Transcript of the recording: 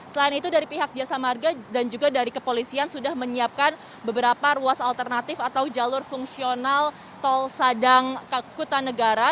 selain itu dari pihak jasa marga dan juga dari kepolisian sudah menyiapkan beberapa ruas alternatif atau jalur fungsional tol sadang kutanegara